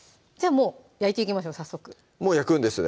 もう焼いていきましょう早速もう焼くんですね？